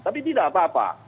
tapi tidak apa apa